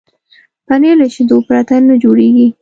پنېر له شیدو پرته نه جوړېږي.